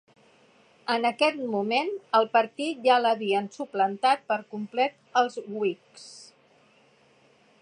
En aquest moment, el partit ja l'havien suplantat per complet els Whigs.